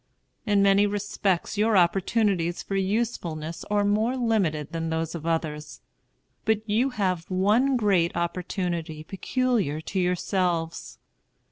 In many respects, your opportunities for usefulness are more limited than those of others; but you have one great opportunity peculiar to yourselves.